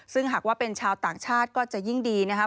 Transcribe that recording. ซึ่งหากว่าเป็นชาวต่างชาติก็จะยิ่งดีนะครับ